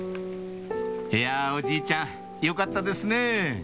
いやおじいちゃんよかったですね